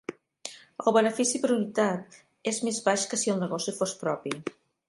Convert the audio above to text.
El benefici per unitat és més baix que si el negoci fos propi.